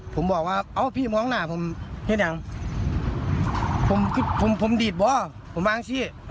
คำนี้ผมได้ยินแล้วผมก็เลยว่าอ้อผมไม่ได้บอกอะไร